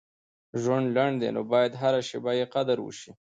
• ژوند لنډ دی، نو باید هره شیبه یې قدر وشي.